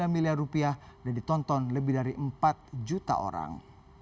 tiga miliar rupiah dan ditonton lebih dari empat juta orang